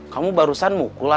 kamu takut sama dia